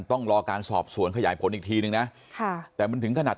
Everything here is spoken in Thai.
ต้องรอการสอบส่วนขยายผลอีกทีนึงนะ